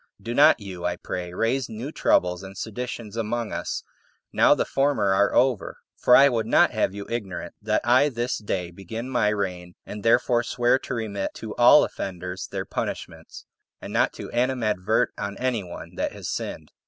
Do not you, I pray, raise new troubles and seditions among us, now the former are over; for I would not have you ignorant that I this day begin my reign, and therefore swear to remit to all offenders their punishments, and not to animadvert on any one that has sinned.